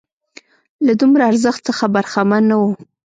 له دومره ارزښت څخه برخمن نه وو.